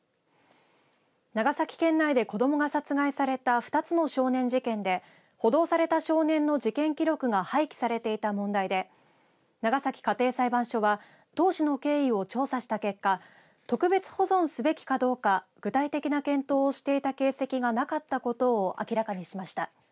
長崎県内で子どもが殺害された２つの少年事件で補導された少年の事件記録が廃棄されていた問題で長崎家庭裁判所は当時の経緯を調査した結果特別保存すべきかどうか具体的な検討をしていた形跡がなかったことを明らかにしました。